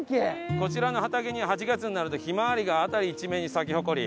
こちらの畑には８月になるとひまわりが辺り一面に咲き誇り。